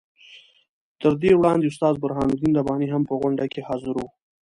تر دې وړاندې استاد برهان الدین رباني هم په غونډه کې حاضر وو.